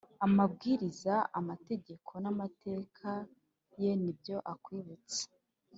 amabwiriza amategeko n amateka ye n’ibyo akwibutsa